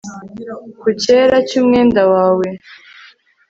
Ku cyera cyumwenda wawe